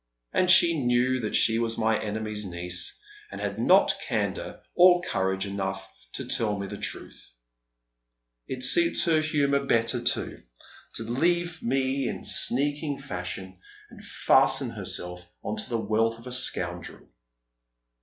And she knew foat she was my enemy's niece, and had not candour or courage enough to tell me the truth. It suited her humow better to 170 Dea^f Uteri's Shoes. leave me in a sneaking tashion, and fasten herself on to the wealth of a scoundrel."